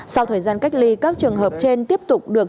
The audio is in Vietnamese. sau thời gian cách ly các trường hợp trên tiếp tục được